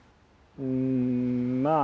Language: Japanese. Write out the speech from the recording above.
うんまあ